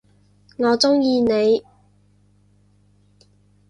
我中意你！